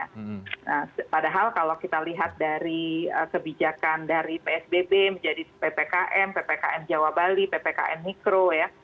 nah padahal kalau kita lihat dari kebijakan dari psbb menjadi ppkm ppkm jawa bali ppkm mikro ya